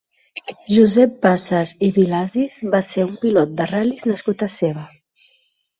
Josep Bassas i Vilasis va ser un pilot de ral·lis nascut a Seva.